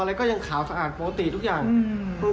อะไรก็ยังขาวสะอาดปกติทุกอย่าง